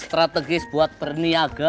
état strategis buat berniaga